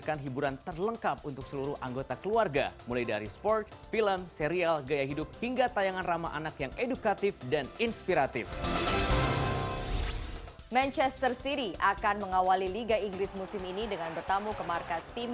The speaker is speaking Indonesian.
kami dua kali mengalahkan mereka wolverhampton wonders